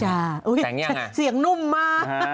จังอย่างไรจังอย่างไรจังอย่างจังอย่างอุ๊ยเสียงนุ่มมา